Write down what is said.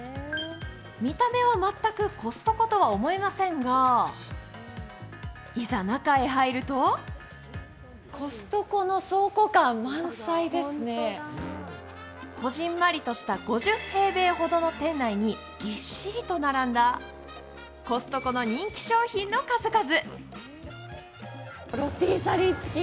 見た目は全くコストコとは思えませんがいざ中へ入るとこぢんまりとした５０平米ほどの店内にぎっしりと並んだコストコの人気商品の数々。